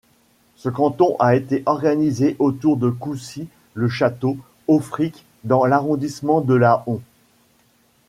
Ce canton a été organisé autour de Coucy-le-Château-Auffrique dans l'arrondissement de Laon.